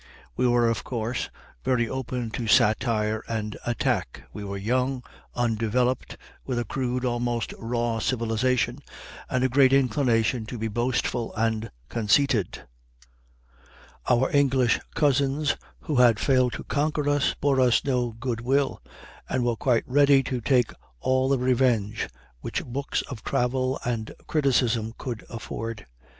We were, of course, very open to satire and attack. We were young, undeveloped, with a crude, almost raw civilization, and a great inclination to be boastful and conceited. Our English cousins, who had failed to conquer us, bore us no good will, and were quite ready to take all the revenge which books of travel and criticism could afford.